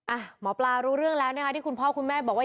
หมอปลารู้เรื่องแล้วนะคะที่คุณพ่อคุณแม่บอกว่า